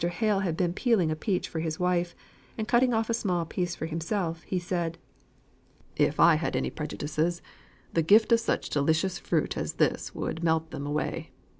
Hale had been peeling a peach for his wife; and, cutting off a small piece for himself, he said: "If I had any prejudices, the gift of such delicious fruit as this would melt them away.